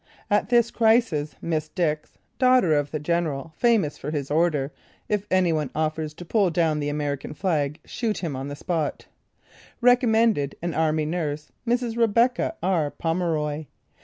At this crisis Miss Dix, daughter of the general famous for his order: "If any one offers to pull down the American flag, shoot him on the spot," recommended an army nurse, Mrs. Rebecca R. Pomeroy.